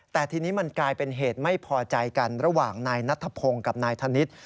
แต่ทีนี้มันกลายเป็นเหตุไม่พอใจกันระหว่างนายนัทพงศ์กับนายธนิษฐ์